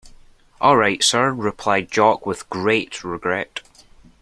All right, Sir, replied Jock with great regret.